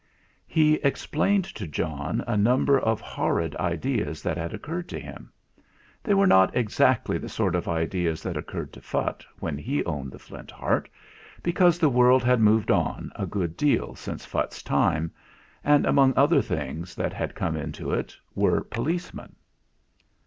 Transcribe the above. He explained to John a number of horrid ideas that had occurred to him. They were not exactly the sort of ideas that occurred to Phutt when he owned the Flint Heart, be cause the world had moved on a good deal since Phutt's time; and among other things that had come into it were policemen.